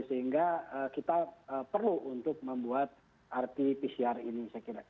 sehingga kita perlu untuk membuat rt pcr ini saya kira